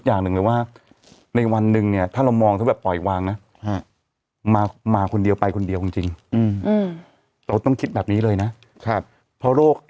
เยอะต่างมาคนเดียวไปคนเดียวจริงต้องคิดแบบนี้เลยนะเพราะโรค